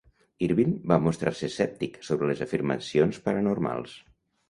Irwin va mostrar-se escèptic sobre les afirmacions paranormals.